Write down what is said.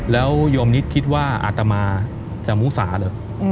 แล้วโยมนิดคิดว่าอาตมาจะมูสาเหรอ